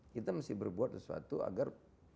kita mesti berbuat sesuatu agar